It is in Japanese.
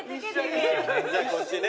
じゃあこっちね。